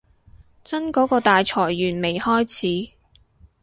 真嗰個大裁員未開始